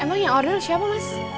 emang yang order siapa mas